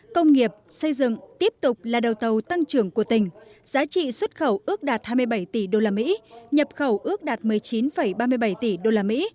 công nghiệp xây dựng tiếp tục là đầu tàu tăng trưởng của tỉnh giá trị xuất khẩu ước đạt hai mươi bảy tỷ usd nhập khẩu ước đạt một mươi chín ba mươi bảy tỷ usd